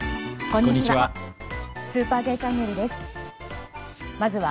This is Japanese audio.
こんにちは。